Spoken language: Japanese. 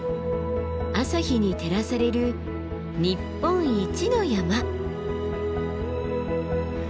朝日に照らされる日本一の山。